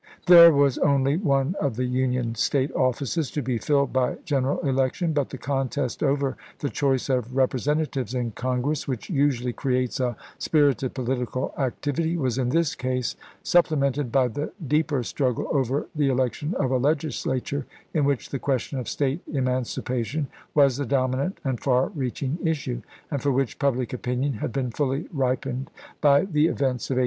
There was only one of the Union State offices to be filled by gen eral election ; but the contest over the choice of Rep resentatives in Congress, which usually creates a spirited political activity, was in this case supple mented by the deeper struggle over the election of a Legislature, in which the question of State eman cipation was the dominant and far reaching issue, and for which public opinion had been fully ripened by the events of 1862.